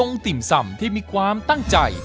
สู่ร้านจงติมส่ำที่มีความตั้งใจ